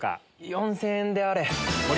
４０００円であれ。